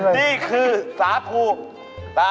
นี่คือศาขอร์น